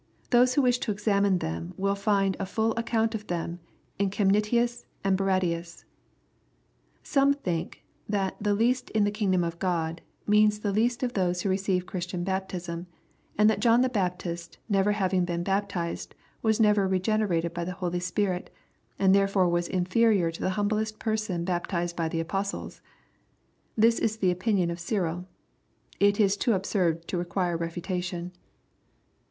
Those who wish to examine ihem, will find m Ml account of them in Chemnitius and Barradius. Some think, that the " least in the kingdom of (^od," means the least of those who receive Christian baptism, and that John the Baptist never having been baptized, was never regenerated bj the Holj Spirit^ and therefore was inferior to the humblest person bi^ tized by the Apostle& This is Uie opinion of CyriL It is too absurd to require refutation.